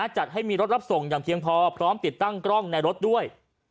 จัดให้มีรถรับส่งอย่างเพียงพอพร้อมติดตั้งกล้องในรถด้วย